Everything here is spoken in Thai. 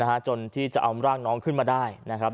จนที่จะเอาร่างน้องขึ้นมาได้นะครับ